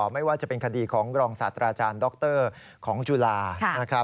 ไม่ว่าจะเป็นคดีของรองศาสตราจารย์ด็อกเตอร์ของจุฬา